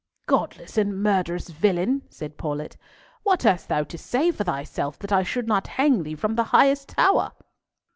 "Godless and murderous villain!" said Paulett, "what hast thou to say for thyself that I should not hang thee from the highest tower?"